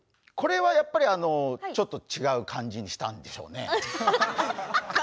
これはちょっと違う感じにしたんでしょうね。